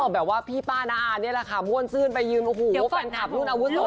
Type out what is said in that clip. แบบว่าพี่ป้าน้าอานี่แหละค่ะม่วนซื่นไปยืนโอ้โหแฟนคลับรุ่นอาวุโส